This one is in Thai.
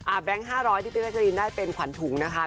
อ่ะแบงค์๕๐๐ที่พี่แซกกะลีนได้เป็นขวัญถุงนะคะ